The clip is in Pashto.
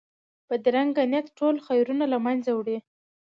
بدرنګه نیت ټول خیرونه له منځه وړي